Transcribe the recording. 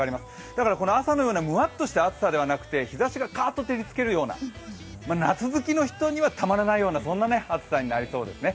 だから朝のような、むわっとした暑さではなくて、日ざしがカーッと照りつけるような夏好きの人にはたまらないような暑さになりそうですね。